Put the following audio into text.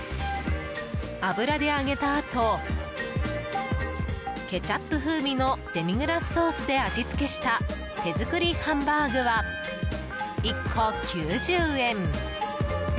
油で揚げたあとケチャップ風味のデミグラスソースで味付けした手づくりハンバーグは１個９０円。